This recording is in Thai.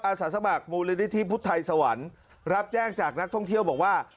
สาสมัครมูลนิธิพุทธไทยสวรรค์รับแจ้งจากนักท่องเที่ยวบอกว่า